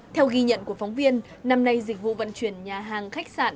theo ghi nhận của phóng viên năm nay dịch vụ vận chuyển nhà hàng khách sạn